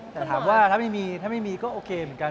แต่ถามว่าถ้าไม่มีก็โอเคเหมือนกัน